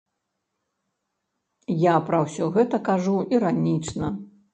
Я пра ўсё гэта кажу іранічна.